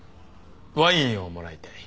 ワインをもらいたい。